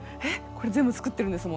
これ全部作ってるんですもんね！